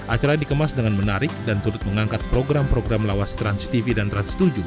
acara dikemas dengan menarik dan turut mengangkat program program lawas transtv dan trans tujuh